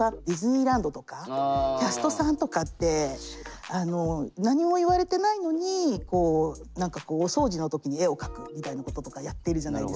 例えばキャストさんとかって何も言われてないのに何かこうお掃除の時に絵を描くみたいなこととかやってるじゃないですか。